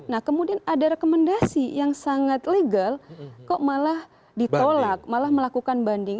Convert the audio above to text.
nah kemudian ada rekomendasi yang sangat legal kok malah ditolak malah melakukan banding